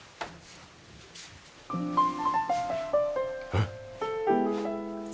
えっ。